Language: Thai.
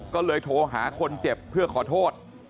ก็เลยโทรหาคนเจ็บเพื่อขอโทษ